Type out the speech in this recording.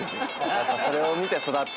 やっぱそれを見て育ったので。